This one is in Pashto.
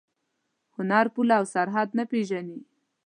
هنر پوله او سرحد نه پېژني.